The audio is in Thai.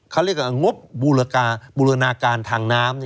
เขาเรียกว่างบูรณาการทางน้ำ